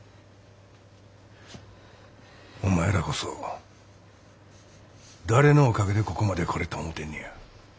お前らこそ誰のおかげでここまで来れた思うてんねや。